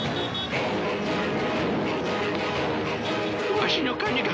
わしの金が！